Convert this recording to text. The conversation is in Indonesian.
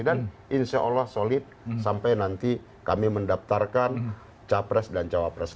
dan insya allah solid sampai nanti kami mendaftarkan capres dan cawapres